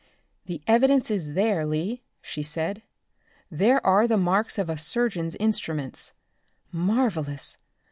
"The evidence is there, Lee," she said. "There are the marks of a surgeon's instruments. Marvelous.